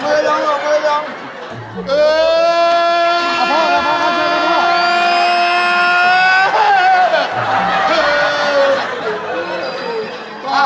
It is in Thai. แม่หน้าของพ่อหน้าของพ่อหน้า